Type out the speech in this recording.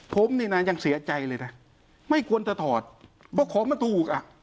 ผมนี่นะยังเสียใจเลยนะไม่ควรจะถอดเพราะของมันถูกอ่ะ